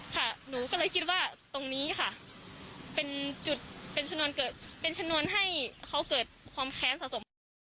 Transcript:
หนูก็เลยคิดว่าตรงนี้ค่ะเป็นจุดเป็นชนวนให้เขาเกิดความแค้นสะสมกัน